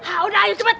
hah udah ayo cepet